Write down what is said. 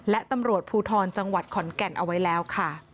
และตำรวจภูทรจังหวัดขอนแก่นเอาไว้แล้วค่ะ